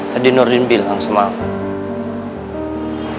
tadi nurdin bilang sama aku